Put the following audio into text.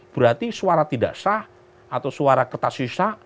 berarti suara tidak sah atau suara kertas sisa